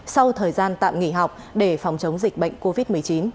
sau thời gian tạm nghỉ học để phòng chống dịch bệnh covid một mươi chín